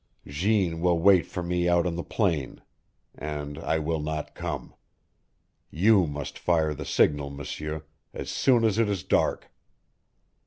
Jeanne will wait for me out on the plain and I will not come. You must fire the signal, M'sieur as soon as it is dark.